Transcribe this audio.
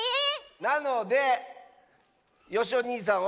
なのでよしおにいさんは。